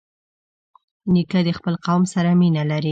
نیکه د خپل قوم سره مینه لري.